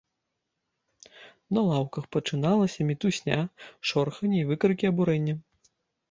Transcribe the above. На лаўках пачалася мітусня, шорханне, выкрыкі абурэння.